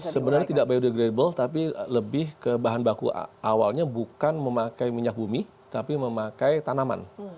sebenarnya tidak biodegradable tapi lebih ke bahan baku awalnya bukan memakai minyak bumi tapi memakai tanaman